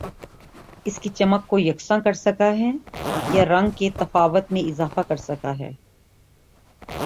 اس کی چمک کو یکساں کر سکہ ہیں یا رنگ کے تفاوت میں اضافہ کر سکہ ہیں